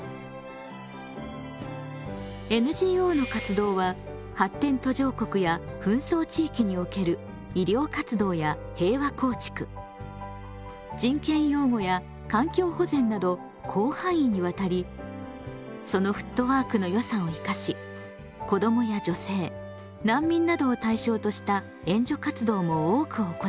ＮＧＯの活動は発展途上国や紛争地域における医療活動や平和構築人権擁護や環境保全など広範囲にわたりそのフットワークのよさを生かし子どもや女性難民などを対象とした援助活動も多く行っています。